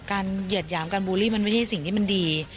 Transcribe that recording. เหยียดหยามการบูลลี่มันไม่ใช่สิ่งที่มันดี